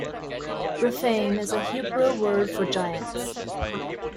Rephaim is a Hebrew word for giants.